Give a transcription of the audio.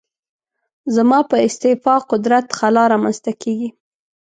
زما په استعفا قدرت خلا رامنځته کېږي.